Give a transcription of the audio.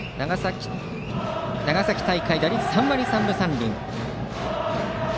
長崎大会、打率３割３分３厘。